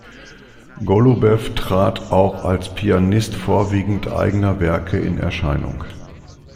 Golubew trat auch als Pianist vorwiegend eigener Werke in Erscheinung.